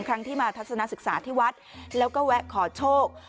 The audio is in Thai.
ครั้งที่มาทัศนศึกษาที่วัดแล้วก็แวะขอโชค